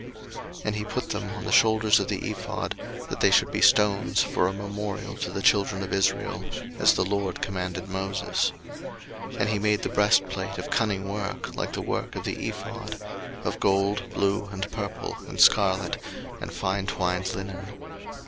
02:039:007 And he put them on the shoulders of the ephod, that they should be stones for a memorial to the children of Israel; as the LORD commanded Moses. 02:039:008 And he made the breastplate of cunning work, like the work of the ephod; of gold, blue, and purple, and scarlet, and fine twined linen.